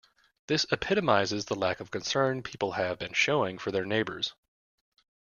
This epitomizes the lack of concern people have been showing for their neighbours.